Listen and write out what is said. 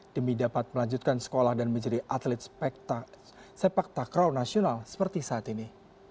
demi dapat melanjutkan sekolah dan menjadi atlet sepak takraw nasional seperti saat ini